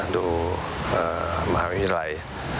ดูมหาวิทยาลัย